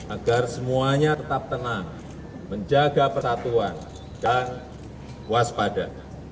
agar semuanya tetap tenang menjaga persatuan dan waspada